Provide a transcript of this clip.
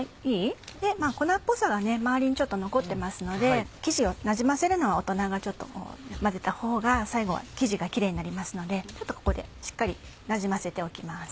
粉っぽさがね周りにちょっと残ってますので生地をなじませるのは大人が混ぜたほうが最後は生地がキレイになりますのでちょっとここでしっかりなじませておきます。